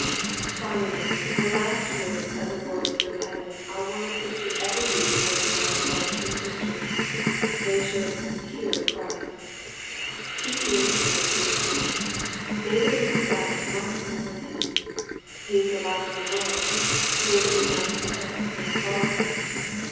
Finally, the last words of the voice from heaven, are words that should be ever before the minds of all true Christians. They should " hear Christ." He is .the great Teacher ; they that would be wise must learn of Him. He is the light of the world : they that would not err must follow Him.